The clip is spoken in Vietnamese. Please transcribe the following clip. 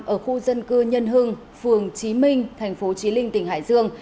ở khu dân cư nhân hưng phường trí minh thành phố trí linh tỉnh hải dương